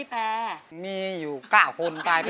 สวัสดีครับ